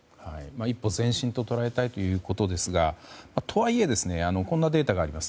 一歩前進と捉えたいということですがとはいえこんなデータがあります。